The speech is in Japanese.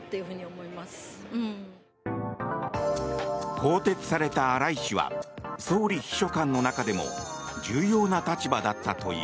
更迭された荒井氏は総理秘書官の中でも重要な立場だったという。